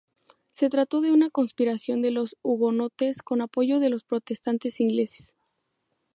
Se trató de una conspiración de los hugonotes con apoyo de los protestantes ingleses.